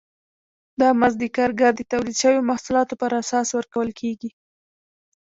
دا مزد د کارګر د تولید شویو محصولاتو پر اساس ورکول کېږي